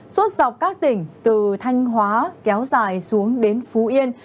suốt dọc các tỉnh từ thanh hóa kéo dài xuống đến phú yên